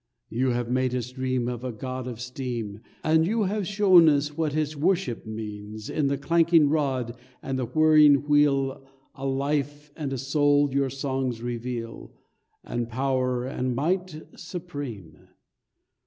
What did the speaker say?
You have made us dream of a God of Steam, And have shown what his worship means In the clanking rod and the whirring wheel A life and a soul your songs reveal, And power and might supreme.